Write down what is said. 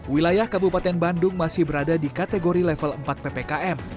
wilayah kabupaten bandung masih berada di kategori level empat ppkm